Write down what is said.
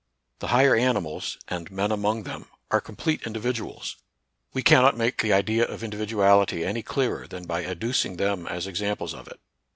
The higher animals, and men among them, are complete individuals. We cannot make the idea of individuality any clearer than by adduc ing them as examples of it.